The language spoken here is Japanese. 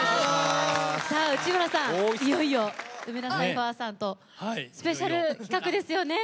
内村さん、いよいよ梅田サイファーさんとスペシャル企画ですよね。